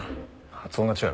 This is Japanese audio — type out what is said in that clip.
発音が違う。